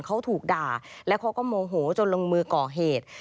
เขาถูกด่าแล้วเขาก็โมโหจนลงมือก่อเหตุ